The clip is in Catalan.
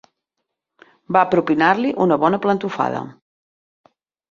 Va propinar-li una bona plantofada.